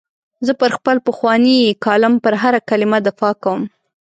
زه پر خپل پخواني کالم پر هره کلمه دفاع کوم.